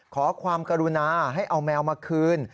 ขอความกรุณาให้เอาแมวมาคืน